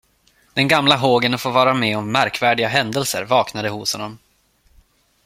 Den gamla hågen att få vara med om märkvärdiga händelser vaknade hos honom.